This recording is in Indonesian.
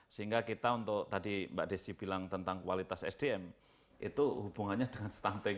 sehingga kita untuk tadi mbak desi bilang tentang kualitas sdm itu hubungannya dengan stunting